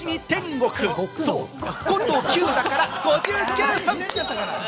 ５と９だから５９分。